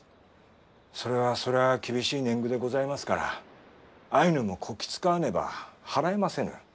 それはそれは厳しい年貢でございますからアイヌもこき使わねば払えませぬ。